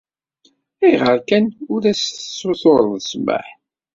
Ayɣer kan ur as-tessutureḍ ssmaḥ?